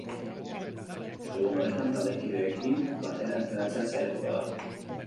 Ostegun honetan taldekideekin batera entrenatzen saiatuko da.